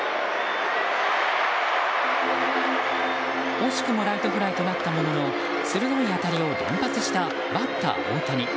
惜しくもライトフライとなったものの鋭い当たりを連発したバッター大谷。